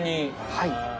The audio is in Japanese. はい。